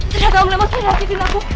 tidak om tidak maksudnya nyakitin aku